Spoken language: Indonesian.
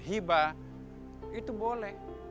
hiba itu boleh